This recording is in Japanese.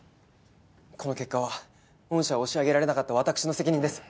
この結果は御社を押し上げられなかった私の責任です！